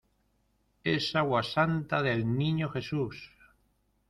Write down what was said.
¡ es agua santa del Niño Jesús!